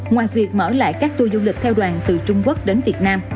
ngoài việc mở lại các tour du lịch theo đoàn từ trung quốc đến việt nam